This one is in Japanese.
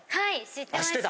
知ってました。